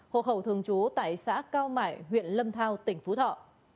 hộ khẩu thường chú tại xã cao mải huyện lâm thao tỉnh phú thỏ